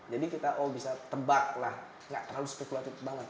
jadi kita oh bisa tebak lah nggak terlalu spekulatif banget